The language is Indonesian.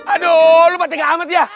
aduh lo batik amat ya